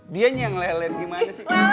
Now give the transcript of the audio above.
dianya yang lelet gimana sih